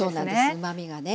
うまみがね。